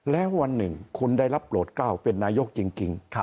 แล้ววันหนึ่งคุณได้รับโปรดกล้าวเป็นนายกจริง